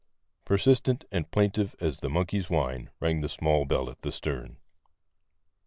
Persistent and plaintive as the monkey's whine rang the small bell at the stern.